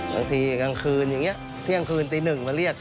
กลางคืนกลางคืนอย่างนี้เที่ยงคืนตีหนึ่งมาเรียก